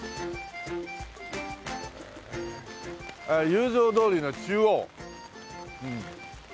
雄三通りの中央。